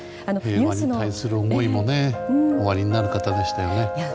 平和に対する思いもおありになる方でしたよね。